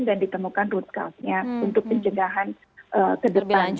dan ditemukan root cause nya untuk pencegahan ke depan